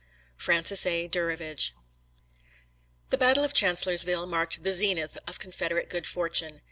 Francis A. Durivage. The battle of Chancellorsville marked the zenith of Confederate good fortune.